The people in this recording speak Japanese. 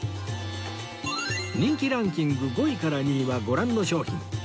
人気ランキング５位から２位はご覧の商品